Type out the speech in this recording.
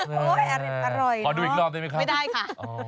ำน้ำปลาดูอีกรอบได้ไหมคะไม่ได้ค่ะ